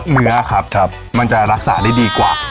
เนื้อครับมันจะรักษาได้ดีกว่า